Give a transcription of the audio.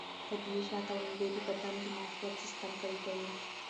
طبیعي شات او مېوې د بدن د معافیت سیستم قوي کوي.